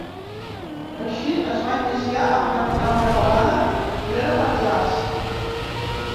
Així, es va iniciar a la capital catalana l'era del jazz.